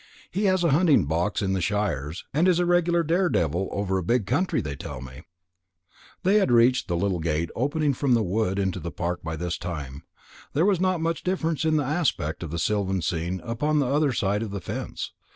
He has a hunting box in the shires, and is a regular daredevil over a big country they tell me." They had reached the little gate opening from the wood into the park by this time. There was not much difference in the aspect of the sylvan scene upon the other side of the fence.